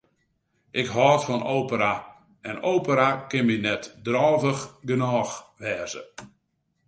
Ik hâld fan opera en opera kin my net drôvich genôch wêze.